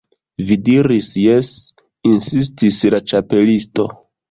"Vi diris 'jes'" insistis la Ĉapelisto.